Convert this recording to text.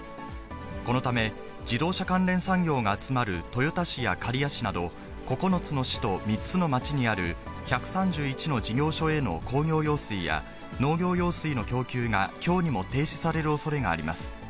このため自動車関連産業が集まる豊田市や刈谷市など、９つの市と３つの町にある１３１の事業所への工業用水や農業用水の供給が、きょうにも停止されるおそれがあります。